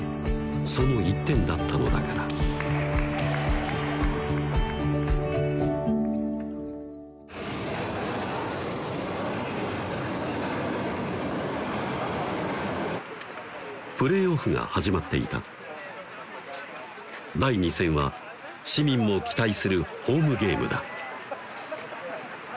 その一点だったのだからプレーオフが始まっていた第２戦は市民も期待するホームゲームだ